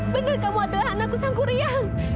benar kamu adalah anakku sankuria